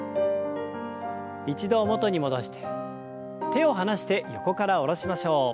一度元に戻して手を離して横から下ろしましょう。